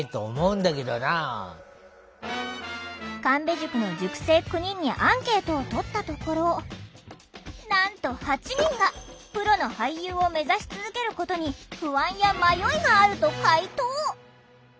神戸塾の塾生９人にアンケートをとったところなんと８人が「プロの俳優を目指し続けることに不安や迷いがある」と回答。